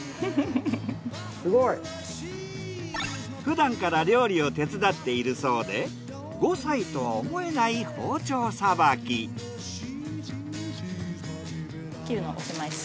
すごい！ふだんから料理を手伝っているそうで５歳とは思えない切るのおしまいです。